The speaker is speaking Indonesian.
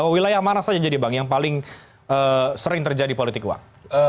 wilayah mana saja jadi bang yang paling sering terjadi politik uang